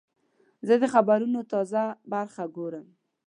زه د خبرونو تازه برخه ګورم.